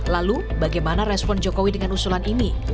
lalu bagaimana respon jokowi dengan usulan ini